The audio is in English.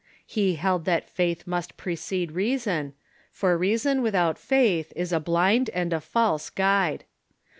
He held that faith must precede reason, for reason without faith is a blind and a false guide.